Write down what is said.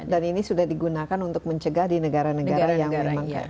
dan ini sudah digunakan untuk mencegah di negara negara yang memang kayak